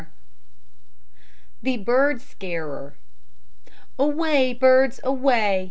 THE BIRD SCARER Away, birds, away!